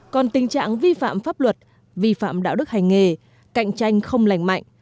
còn tình trạng vi phạm pháp luật vi phạm đạo đức hành nghề cạnh tranh không lành mạnh